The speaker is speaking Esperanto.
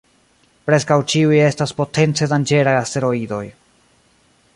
Preskaŭ ĉiuj estas potence danĝeraj asteroidoj.